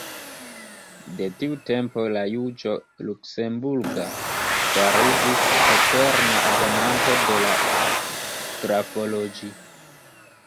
De tiu tempo la juĝo Luksemburga fariĝis eterna abonanto de la « Graphologie ».